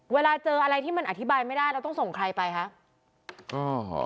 เวลาเจออะไรที่มันอธิบายไม่ได้เราต้องส่งใครไปคะ